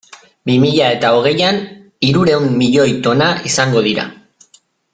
Bi mila eta hogeian hirurehun milioi tona izango dira.